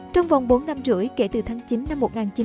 trong vòng bốn năm rưỡi kể từ tháng chín năm một nghìn chín trăm bảy mươi